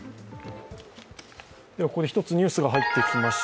ここで一つニュースが入ってきました。